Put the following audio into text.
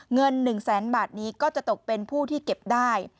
เงิน๑แสนบาทนี้ก็จะตกเป็นผู้ที่เก็บได้